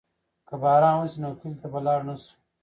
که باران وشي نو کلي ته به لاړ نه شو.